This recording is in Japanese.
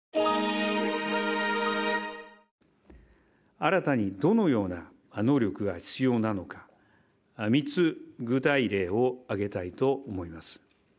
新たにどのような能力が必要なのか、３つ、具体例を挙げたいと思います。